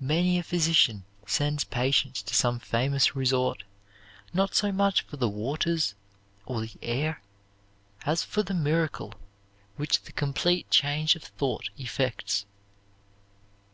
Many a physician sends patients to some famous resort not so much for the waters or the air as for the miracle which the complete change of thought effects.